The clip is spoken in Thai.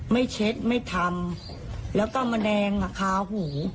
เช็ดไม่ทำแล้วก็แมลงคาหู